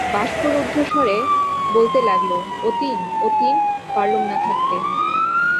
বাষ্পরুদ্ধস্বরে বলতে লাগল, অতীন, অতীন, পারলুম না থাকতে।